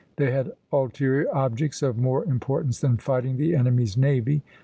They had ulterior objects of more importance than fighting the enemy's navy.